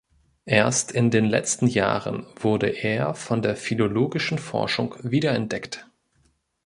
Erst in den letzten Jahren wurde er von der philologischen Forschung wiederentdeckt.